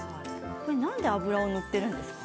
なぜ油を塗っているんですか？